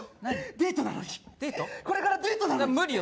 デートなのにこれからデートなのに無理よ